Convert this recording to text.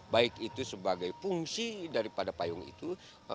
baik itu sebagai fungsi daripada payung itu